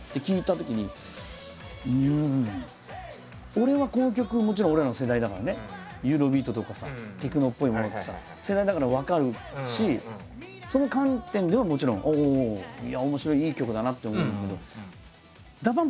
俺はこの曲もちろん俺らの世代だからねユーロビートとかさテクノっぽいものってさ世代だから分かるしその観点ではもちろんおお面白いいい曲だなって思ったけど。